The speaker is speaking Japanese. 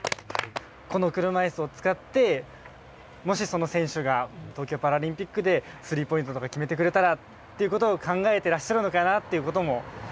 この車いすを使ってもしその選手が東京パラリンピックでスリーポイントとか決めてくれたらっていうことを考えてらっしゃるのかなっていうことも含めての。